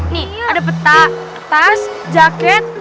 nih ada peta kerta tas jaket